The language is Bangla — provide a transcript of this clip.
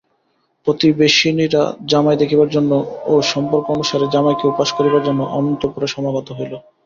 প্রতিবেশিনীরা জামাই দেখিবার জন্য ও সম্পর্ক অনুসারে জামাইকে উপহাস করিবার জন্য অন্তঃপুরে সমাগত হইল।